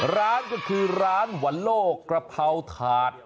ร้านก็คือร้านวันโลกกระเพราถาด